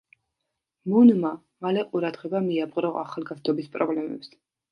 მუნმა მალე ყურადღება მიაპყრო ახალგაზრდობის პრობლემებს.